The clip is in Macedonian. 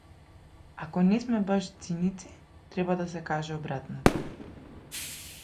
Ако не сме баш циници, треба да се каже обратното.